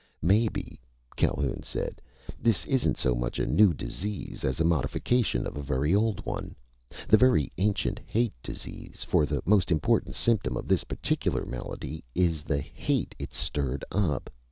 "Maybe," Calhoun said, "this isn't so much a new disease as a modification of a very old one. The very ancient Hate Disease for the most important symptom of this particular malady is the hate it's stirred up.